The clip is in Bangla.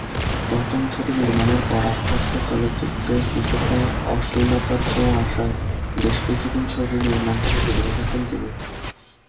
প্রথম ছবি নির্মাণের পর আস্তে আস্তে চলচ্চিত্রে কিছুটা অশ্লীলতার ছোঁয়া আসায় বেশ কিছুদিন ছবি নির্মাণ থেকে বিরত থাকেন তিনি।